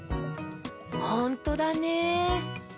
ほんとだね。